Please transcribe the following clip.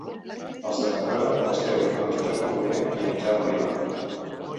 Els de tenora els féu amb Josep Colomer i amb Jaume Vilà.